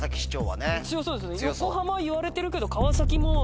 横浜いわれてるけど川崎も。